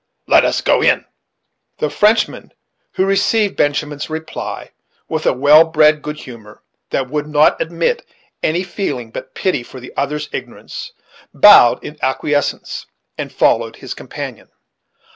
Let us go in." The Frenchman, who received Benjamin's reply with a well bred good humor that would not admit of any feeling but pity for the other's ignorance, bowed in acquiescence and followed his companion.